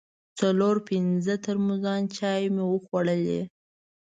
څلور پنځه ترموزان چای مو وخوړل.